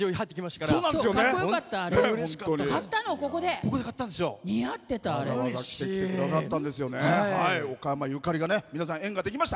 かっこよかった。